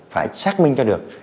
phải xác minh cho được